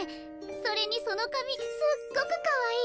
それにそのかみすっごくかわいい。